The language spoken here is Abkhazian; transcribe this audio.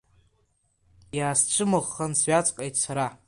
Иаасцәымыӷхан сҩаҵҟьеит сара.